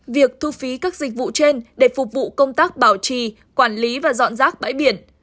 việc thu phí các dịch vụ trên để phục vụ công tác bảo trì quản lý và dọn rác bãi biển